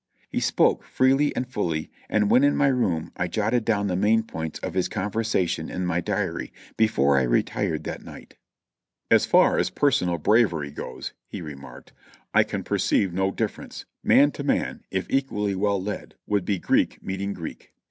He spoke freely and fully, and when in my room I jotted down the main points of his conversation in my diary before I retired that night. ''As far as personal bravery goes," he remarked, "I can per ceive no difference ; man to man, if equally well led, would be Greek meeting Greek.